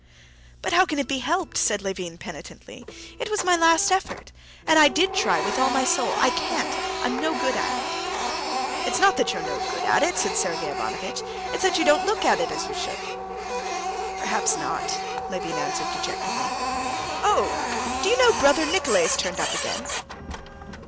"But how can it be helped?" said Levin penitently. "It was my last effort. And I did try with all my soul. I can't. I'm no good at it." "It's not that you're no good at it," said Sergey Ivanovitch; "it is that you don't look at it as you should." "Perhaps not," Levin answered dejectedly. "Oh! do you know brother Nikolay's turned up again?"